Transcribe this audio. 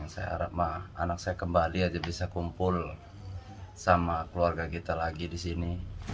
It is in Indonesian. saya harap anak saya kembali aja bisa kumpul sama keluarga kita lagi di sini